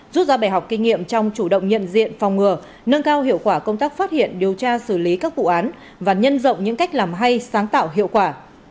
rút ra bài học kinh nghiệm trong chủ động nhận diện phòng ngừa nâng cao hiệu quả công tác phát hiện điều tra xử lý các vụ án và nhân rộng những cách làm hay sáng tạo hiệu quả